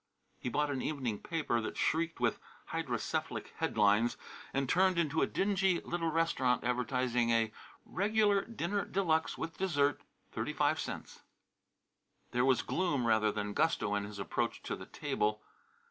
He bought an evening paper that shrieked with hydrocephalic headlines and turned into a dingy little restaurant advertising a "Regular Dinner de luxe with Dessert, 35 cts." There was gloom rather than gusto in his approach to the table.